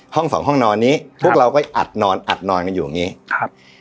ห้องสองห้องนอนนี้พวกเราก็อัดนอนอัดนอนกันอยู่อย่างนี้ครับ